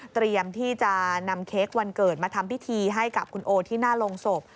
เตรียมที่จะนำเค้กวันเกิดมาทำพิธีให้กับคุณโอที่หน้าโรงศพ